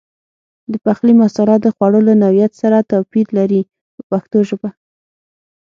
د پخلي مساله د خوړو له نوعیت سره توپیر لري په پښتو ژبه.